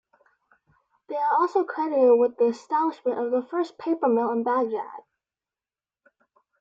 They are also credited with the establishment of the first paper mill in Baghdad.